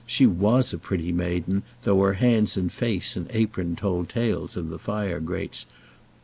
She was a pretty maiden, though her hands and face and apron told tales of the fire grates.